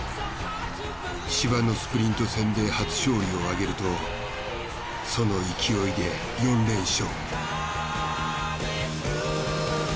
芝のスプリント戦で初勝利をあげるとその勢いで４連勝。